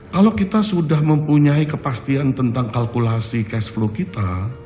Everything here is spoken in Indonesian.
kalau kita sudah mempunyai kepastian tentang kalkulasi cash flow kita